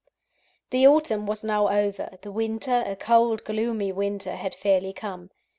The autumn was now over; the winter a cold, gloomy winter had fairly come.